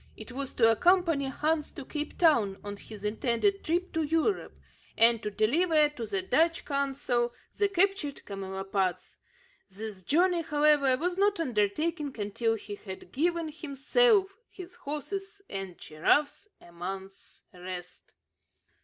It was to accompany Hans to Cape Town on his intended trip to Europe, and to deliver to the Dutch consul the captured camelopards. This journey, however, was not undertaken until he had given himself, his horses, and giraffes a month's rest.